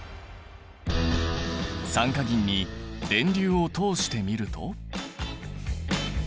酸化銀に電流を通してみると。